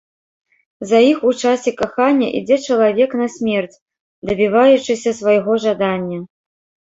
За іх у часе кахання ідзе чалавек на смерць, дабіваючыся свайго жадання.